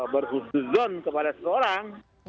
berhujudon kepada seseorang